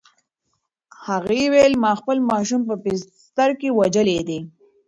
هغې وویل: "ما خپل ماشوم په بستر کې وژلی دی؟"